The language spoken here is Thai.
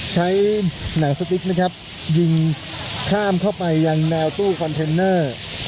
ใช้หนังสติ๊กนะครับยิงข้ามเข้าไปยังแนวตู้คอนเทนเนอร์